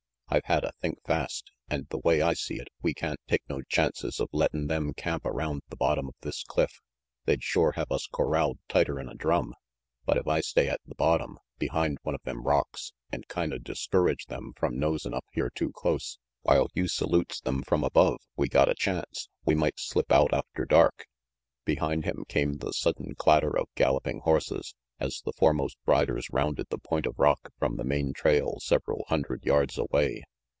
I've hadda think fast, and the way I see it, we can't take no chances of lettin' them 362 RANGY PETE cnr\T camp around the bottom of this cliff. They'd shore have us corralled tighter'n a drum. But if I stay at the bottom, behind one of them rocks, and kinda discourage them from nosin' up here too close, while you salutes them from above, we got a chance. We might slip out after dark Behind him came the sudden clatter of galloping horses, as the foremost riders rounded the point of rock from the main trail several hundred yards away.